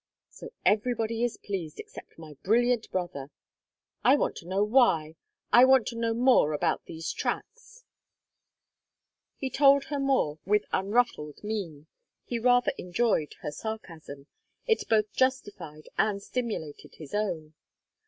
"So everybody is pleased except my brilliant brother! I want to know why I want to know more about these tracks." He told her more with unruffled mien; he rather enjoyed her sarcasm; it both justified and stimulated his own.